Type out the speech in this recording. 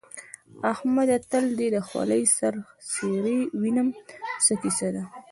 احمده! تل دې د خولۍ سر څيرې وينم؛ څه کيسه ده؟